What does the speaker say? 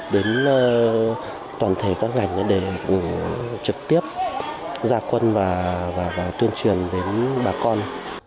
đến toàn thể các ngành để trực tiếp gia quân và tuyên truyền đến bà con